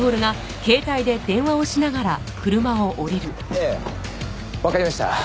ええわかりました。